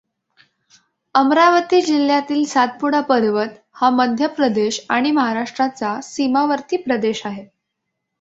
अमरावती जिल्ह्यातील सातपुडा पर्वत हा मध्यप्रदेश आणि महाराष्ट्राचा सीमावर्ती प्रदेश आहे.